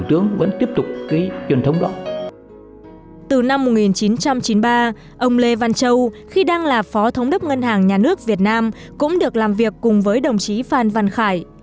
từ năm một nghìn chín trăm chín mươi ba ông lê văn châu khi đang là phó thống đốc ngân hàng nhà nước việt nam cũng được làm việc cùng với đồng chí phan văn khải